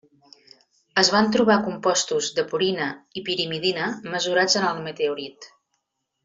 Es van trobar compostos de purina i pirimidina mesurats en el meteorit.